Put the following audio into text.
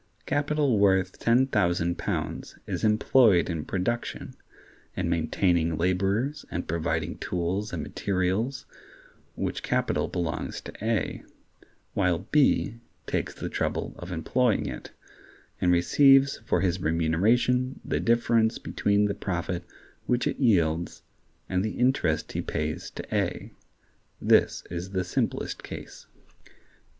Capital worth ten thousand pounds is employed in production—in maintaining laborers and providing tools and materials—which capital belongs to A, while B takes the trouble of employing it, and receives for his remuneration the difference between the profit which it yields and the interest he pays to A. This is the simplest case.